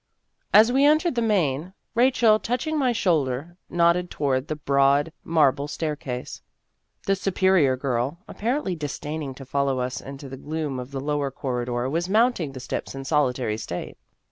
As we entered the Main, Rachel, touch ing my shoulder, nodded toward the broad marble staircase. The^ Superior Girl, ap parently disdaining to follow us into the gloom of the lower corridor, was mounting the steps in solitary state.